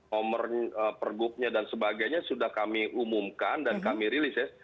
nomor pergubnya dan sebagainya sudah kami umumkan dan kami rilis ya